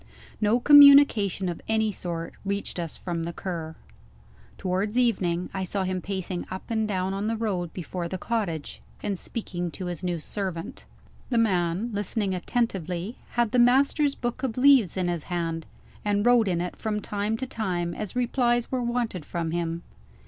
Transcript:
No communication of any sort reached us from the Cur. Towards evening, I saw him pacing up and down on the road before the cottage, and speaking to his new servant. The man (listening attentively) had the master's book of leaves in his hand, and wrote in it from time to time as replies were wanted from him.